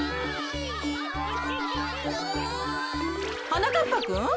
はなかっぱくん。